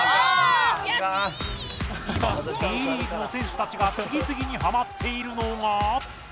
今、Ｂリーグの選手たちが次々にハマっているのが。